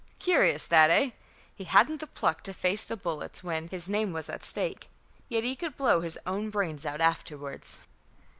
Curious that, eh? He hadn't the pluck to face the bullets when his name was at stake, yet he could blow his own brains out afterwards."